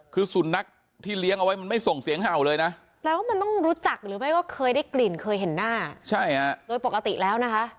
คือสุนัขที่เลี้ยงเอาไว้มันไม่ส่งเสียงเห่าเลยนะแปลว่ามันต้องรู้จักหรือไม่ก็เคยได้กลิ่นเคยเห็นหน้าใช่ฮะโดยปกติแล้วนะคะ